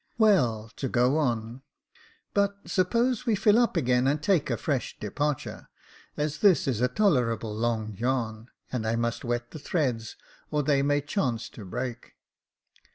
Well, to go on, — but suppose we fill up again and take a fresh departure, as this is a tolerable long yarn, and I must wet the threads, or they may chance to break."